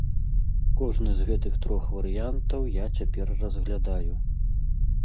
Кожны з гэтых трох варыянтаў я цяпер разглядаю.